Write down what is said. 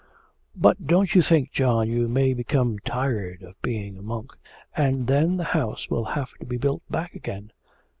'But don't you think, John, you may become tired of being a monk, and then the house will have to be built back again?'